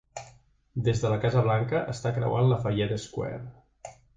Des de la Casa Blanca està creuant Lafayette Square.